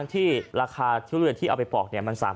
ที่ราคาทุเรียนที่เอาไปปลอกมัน๓๕๐บาทนะครับ